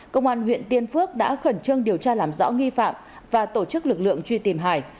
công an huyện tiên phước đã khẩn trương điều tra làm rõ nghi phạm và tổ chức lực lượng truy tìm hải